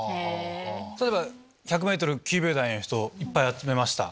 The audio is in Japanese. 例えば１００ｍ９秒台の人をいっぱい集めました。